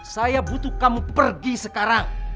saya butuh kamu pergi sekarang